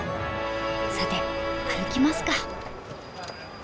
さて歩きますか。